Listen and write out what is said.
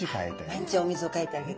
毎日お水を替えてあげる。